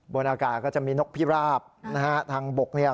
บนอากาศก็จะมีนกพิราบนะฮะทางบกเนี่ย